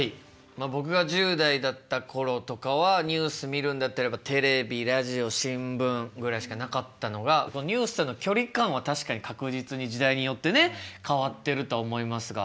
まあ僕が１０代だった頃とかはニュース見るんだったらテレビラジオ新聞ぐらいしかなかったのがニュースとの距離感は確かに確実に時代によってね変わってるとは思いますが。